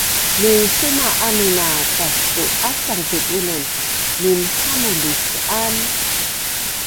minsuma amin a tastu’asang tu bunun minhamu lus’an